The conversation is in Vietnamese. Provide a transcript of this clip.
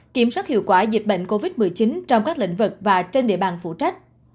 kiểm soát hiệu quả dịch bệnh covid một mươi chín trong các lĩnh vực và trên địa bàn phụ trách